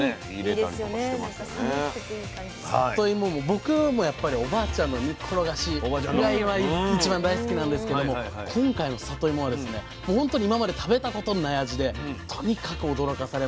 僕もやっぱりおばあちゃんの煮っころがしが一番大好きなんですけども今回のさといもはもう本当に今まで食べたことのない味でとにかく驚かされました。